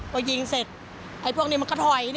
พอยิงเสร็จไอ้พวกนี้มันก็ถอย